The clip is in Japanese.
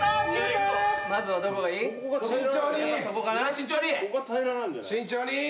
慎重に。